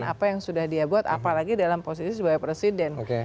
apa yang sudah dia buat apalagi dalam posisi sebagai presiden